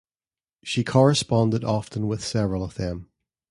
She corresponded often with several of them.